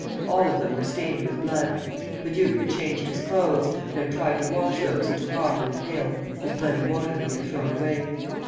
All of them were stained with blood. The duke had changed his clothes, and had tried to wash those he took off in the pail whose bloody water he had thrown away.